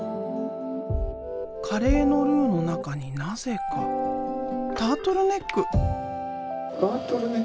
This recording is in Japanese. カレーのルーの中になぜかタートルネック？